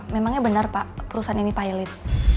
memangnya benar pak perusahaan ini pilot